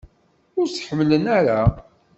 Ur tt-ḥemmlen ara?